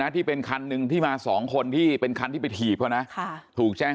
ที่เป็นคันหนึ่งที่มา๒คนที่เป็นคันที่ไปถีบเขานะถูกแจ้ง